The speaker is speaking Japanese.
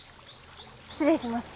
失礼します。